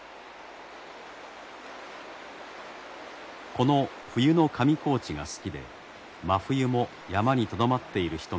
この冬の上高地が好きで真冬も山にとどまっている人がいます。